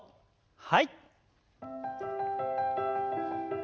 はい。